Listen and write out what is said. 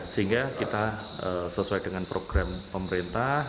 sehingga kita sesuai dengan program pemerintah